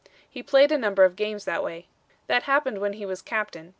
He played a number of games that way. That happened when he was captain.